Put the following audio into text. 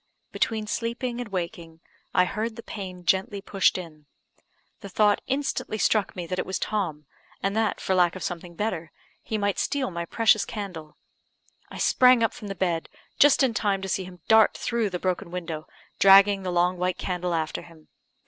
Between sleeping and waking, I heard the pane gently pushed in. The thought instantly struck me that it was Tom, and that, for lack of something better, he might steal my precious candle. I sprang up from the bed, just in time to see him dart through the broken window, dragging the long white candle after him.